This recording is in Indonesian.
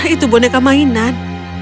itu boneka mainan